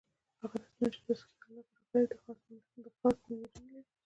هغه نظمونه چي په "تذکرةالاولیاء" کښي راغلي دي خاص ملي رنګ لري.